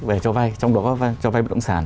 về cho vay trong đó có cho vay bất động sản